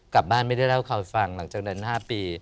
กลับบ้านไม่ได้เล่าเขาฟังหลังจาก๕ปี